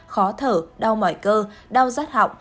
khó thở đau mỏi cơ đau rát họng